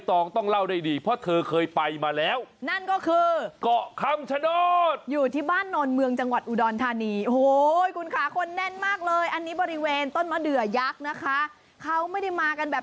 โทรศัพท์มือถือ